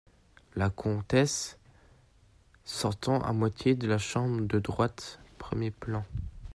La Comtesse , sortant à moitié de la chambre de droite, premier plan.